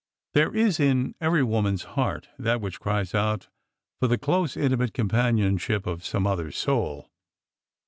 There is in every woman's heart that which cries out for the close. 384 ORDER NO. 11 I intimate companionship of some other soul.